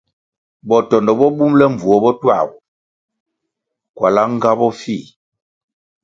Botondo bo bumʼle mbvuo bo tuagu, kwalá nga bofih.